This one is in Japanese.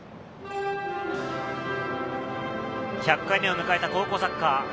１００回目を迎えた高校サッカー。